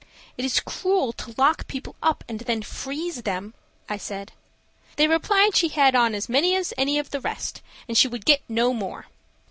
"It is cruel to lock people up and then freeze them," I said. They replied she had on as much as any of the rest, and she would get no more.